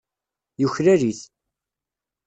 Yuklal-it.